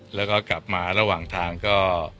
แล้วก็กลับมาระหว่างทางก็